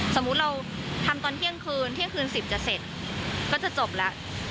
สมมุติเราทำตอนเที่ยงคืนเที่ยงคืน๑๐จะเสร็จก็จะจบแล้ว